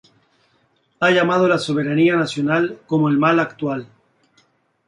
Ha llamado la soberanía nacional como el mal actual.